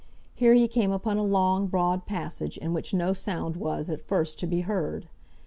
Here he came upon a long, broad passage, in which no sound was, at first, to be heard.